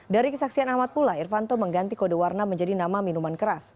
dari kesaksian ahmad pula irvanto mengganti kode warna menjadi nama minuman keras